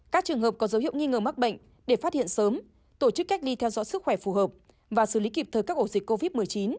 các trường hợp có dấu hiệu nghi ngờ mắc bệnh để phát hiện sớm tổ chức cách ly theo dõi sức khỏe phù hợp và xử lý kịp thời các ổ dịch covid một mươi chín